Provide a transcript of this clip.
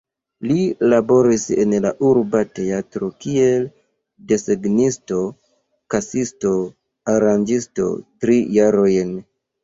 Li laboris en la urba teatro kiel desegnisto, kasisto, aranĝisto tri jarojn.